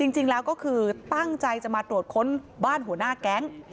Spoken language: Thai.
จริงแล้วก็คือตั้งใจจะมาตรวจค้นบ้านหัวหน้าแก๊ง